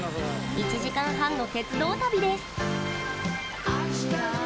１時間半の鉄道旅です。